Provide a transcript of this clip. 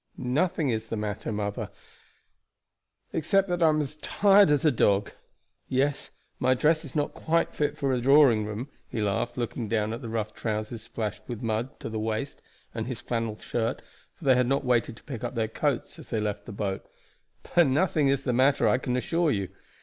"Nothing is the matter, mother, except that I am as tired as a dog. Yes, my dress is not quite fit for a drawing room," he laughed, looking down at the rough trousers splashed with mud to the waist, and his flannel shirt, for they had not waited to pick up their coats as they left the boat; "but nothing is the matter, I can assure you.